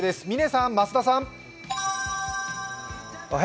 嶺さん、増田さん。